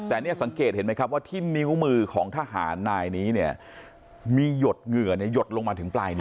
แต่เนี่ยสังเกตเห็นไหมครับว่าที่นิ้วมือของทหารนายนี้เนี่ยมีหยดเหงื่อหยดลงมาถึงปลายนิ้ว